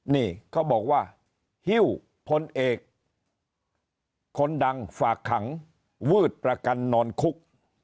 นี่เขาบอกว่าฮิ้วพลเอกคนดังฝากขังวืดประกันนอนคุก